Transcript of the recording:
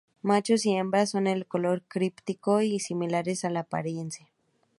Machos y hembras son de color críptico y similares en apariencia.